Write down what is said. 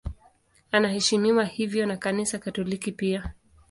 Anaheshimiwa hivyo na Kanisa Katoliki pia.